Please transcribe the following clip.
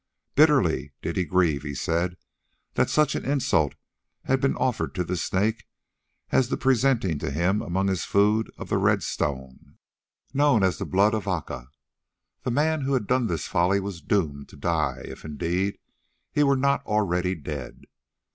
Bitterly did he grieve, he said, that such an insult had been offered to the Snake as the presenting to him among his food of the red stone, known as the Blood of Aca. That man who had done this folly was doomed to die, if, indeed, he were not already dead.